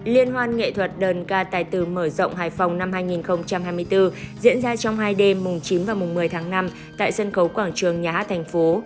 liên hoan nghệ thuật đơn ca tài tử mở rộng hải phòng năm hai nghìn hai mươi bốn diễn ra trong hai đêm chín và mùng một mươi tháng năm tại sân khấu quảng trường nhà hát thành phố